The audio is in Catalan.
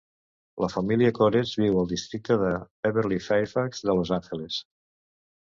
La família Koretz viu al districte de Beverly-Fairfax de Los Angeles.